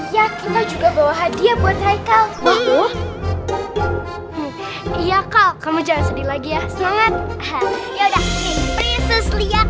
ya kita juga bawa hadiah buat haikal iya kau kamu jangan sedih lagi ya semangat ya udah